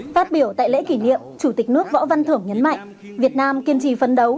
phát biểu tại lễ kỷ niệm chủ tịch nước võ văn thưởng nhấn mạnh việt nam kiên trì phấn đấu